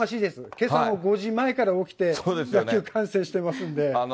けさも５時前から起きて野球観戦していますので。